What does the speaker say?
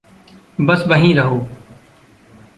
बस वहीं रहो।